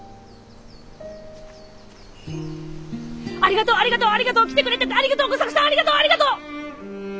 ありがとうありがとうありがとう来てくれてありがとう吾作さんありがとうありがとう。